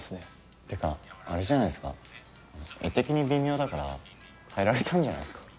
ってかあれじゃないですかあの画的に微妙だから変えられたんじゃないっすか？